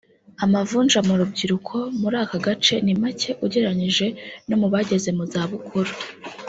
Amavunja mu rubyiruko muri aka gace ni make ugereranyije no mu bageze mu za bukuru